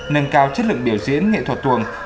nâng cao chất lượng biểu diễn nghệ thuật tuồng